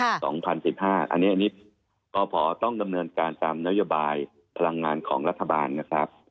อันนี้กพต้องดำเนินการตามนโยบายพลังงานของรัฐบาลนะครับ